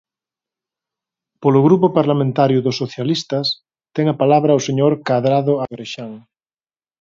Polo Grupo Parlamentario dos Socialistas, ten a palabra o señor Cadrado Agrexán.